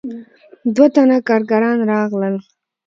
دوه تنه کارګران راغلل.